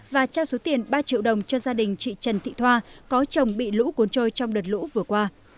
và trao số tiền ba triệu đồng cho gia đình chị trần thị thoa có chồng bị lũ cuốn trôi trong đợt lũ vừa qua